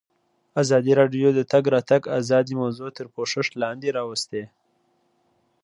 ازادي راډیو د د تګ راتګ ازادي موضوع تر پوښښ لاندې راوستې.